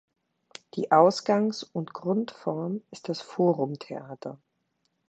Die Ausgangs- und Grundform ist das Forumtheater.